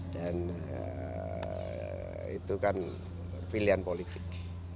dan itu kan pilihan politik